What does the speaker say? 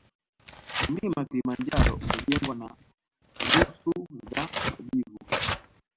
Mlima kilimanjaro umejengwa na rusu za majivu